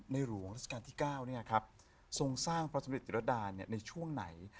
ในหลวงรัฐกาลที่๙เนี่ยครับทรงสร้างพระสมเด็จจิตรดาเนี่ยในช่วงไหน